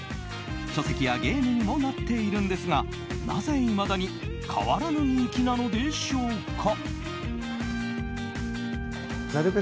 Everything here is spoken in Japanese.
書籍やゲームにもなっているんですがなぜ、いまだに変わらぬ人気なのでしょうか。